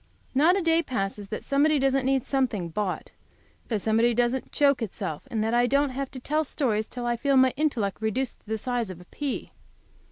Not a day passes that somebody doesn't need something bought; that somebody else doesn't choke itself, and that I don't have to tell stories till I feel my intellect reduced to the size of a pea.